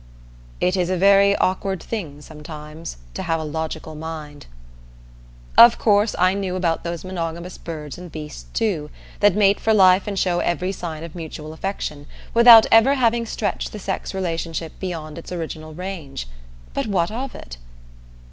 It is a very awkward thing, sometimes, to have a logical mind. Of course I knew about those monogamous birds and beasts too, that mate for life and show every sign of mutual affection, without ever having stretched the sex relationship beyond its original range. But what of it?